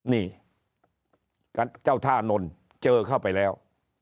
นี่เจ้าท่านนนท์เจอเข้าไปแล้ว